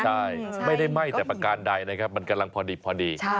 ใช่ไม่ได้ไหม้แต่ประการใดนะครับมันกำลังพอดี